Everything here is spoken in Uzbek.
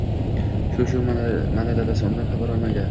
Shu-shu, mana, dadasi undan xabar olmaydi